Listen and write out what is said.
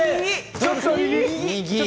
ちょっと右。